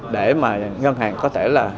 để mà ngân hàng có thể là